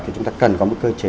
thì chúng ta cần có một cơ chế